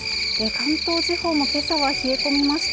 関東地方も今朝は冷え込みました